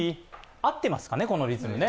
合ってますかね、このリズム。